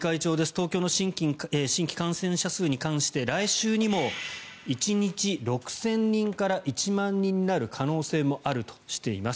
東京の新規感染者数に関して来週にも１日６０００人から１万人になる可能性もあるとしています。